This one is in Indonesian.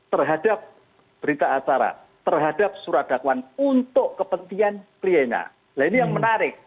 terhadap berita acara terhadap surat dakwan untuk kepentingan pria nya lah ini yang menarik